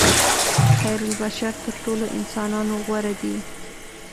خیرالبشر تر ټولو انسانانو غوره دي.